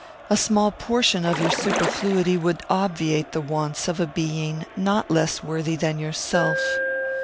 A small portion of your superfluity would obviate the wants of a being not less worthy than yourself.